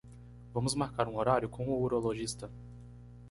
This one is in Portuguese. Vamos marcar um horário com o urologista